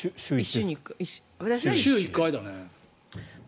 週に１回だね。